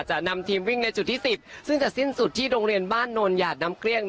จะนำทีมวิ่งในจุดที่๑๐ซึ่งจะสิ้นสุดที่โรงเรียนบ้านโนนหยาดน้ำเกลี้ยง